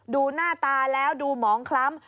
ดูหน้าตาแล้วดูหมองคล้ำ